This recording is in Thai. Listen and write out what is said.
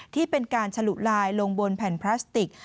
ที่เป็นการฉลุลายลงบนแผ่นพลาสติก